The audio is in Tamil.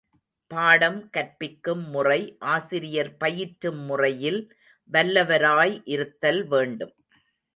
பாடம் கற்பிக்கும் முறை ஆசிரியர் பயிற்றும் முறையில் வல்லவராய் இருத்தல் வேண்டும்.